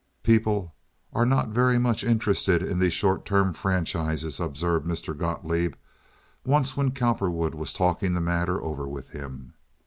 "Peeble are not ferry much indrested in tees short time frangizes," observed Mr. Gotloeb once, when Cowperwood was talking the matter over with him.